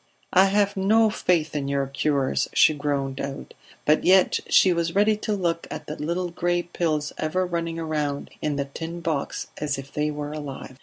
"I have no faith in your cures," she groaned out. But yet she was ready to look at the little gray pills ever running round in the tin box as if they were alive.